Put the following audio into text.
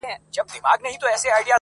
هغه ستا د ابا مېنه تالا سوې-